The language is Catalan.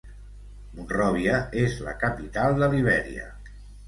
Monròvia és la capital de Libèria.